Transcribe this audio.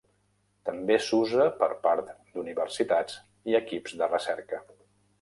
També s'usa per part d'universitats i equips de recerca.